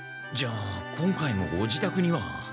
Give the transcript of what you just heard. じゃあ今回もご自たくには。